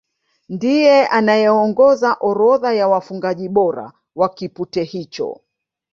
Ndiye anayeongoza orodha ya wafungaji bora wa kipute hicho